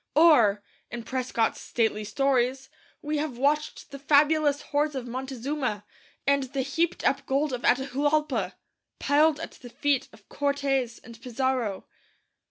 Or, in Prescott's stately stories, we have watched the fabulous hoards of Montezuma, and the heaped up gold of Atahuallpa, piled at the feet of Cortes and Pizarro.